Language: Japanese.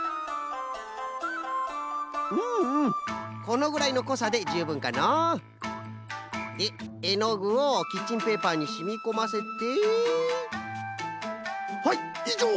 うんうんこのぐらいのこさでじゅうぶんかの。でえのぐをキッチンペーパーにしみこませてはいいじょう